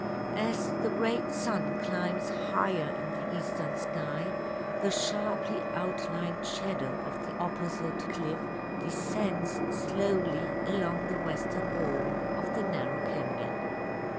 As the great sun climbs higher in the eastern sky, the sharply outlined shadow of the opposite cliff descends slowly along the western wall of the narrow canyon.